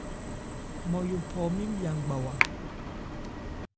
Nmɔyo phɔ mɛ́n bhya ngbawa.